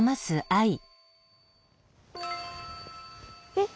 えっ？